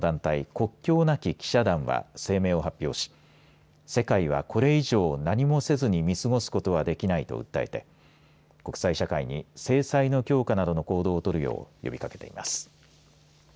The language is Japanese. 国境なき記者団は声明を発表し世界は、これ以上何もせずに見過ごすことはできないと訴えて国際社会に制裁の強化などの行動を取るよう呼びかけています。